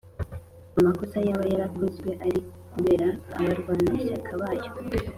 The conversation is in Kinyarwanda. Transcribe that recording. amakosa yaba yarakozwe ari ukubera abarwanashyaka bayo